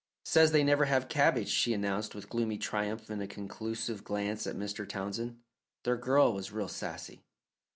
"Says they never have cabbage," she announced with gloomy triumph and a conclusive glance at Mr. Townsend. "Their girl was real sassy."